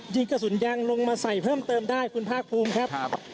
ยิงกระสุนยางลงมาใส่เพิ่มเติมได้คุณภาคภูมิครับ